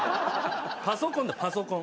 パソコンだパソコン。